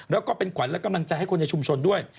แล้วก็เป็นขวัญและกำลังใจให้คนในชุมชนด้วย